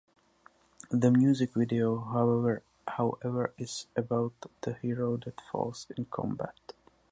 The music video however, is about the hero that falls in combat.